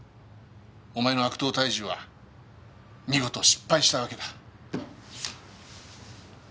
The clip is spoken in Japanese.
お前の悪党退治は見事失敗したわけだ。